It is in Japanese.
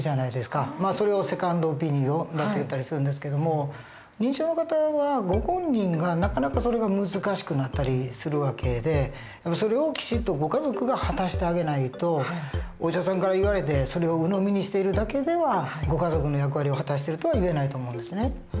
それをセカンドオピニオンっていったりするんですけども認知症の方はご本人がなかなかそれが難しくなったりする訳でそれをきちっとご家族が果たしてあげないとお医者さんから言われてそれをうのみにしているだけではご家族の役割を果たしてるとはいえないと思うんですね。